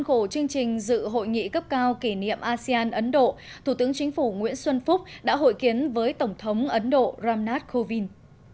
thủ tướng chính phủ nguyễn xuân phúc đã hội kiến với tổng thống ấn độ ram nath kovind